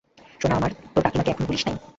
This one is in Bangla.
সোনা আমার, তোর কাকিমাকে এখনো ভুলিস নাই!